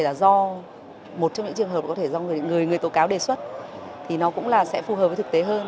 có thể là do một trong những trường hợp có thể do người tố cáo đề xuất thì nó cũng là sẽ phù hợp với thực tế hơn